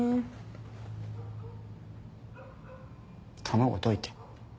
卵溶いて。